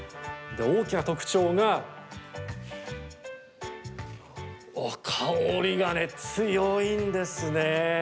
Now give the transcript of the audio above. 大きな特徴が香りが強いんですね。